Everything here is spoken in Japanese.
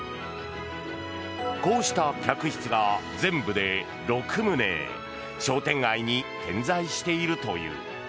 こうした客室が全部で６棟商店街に点在しているという。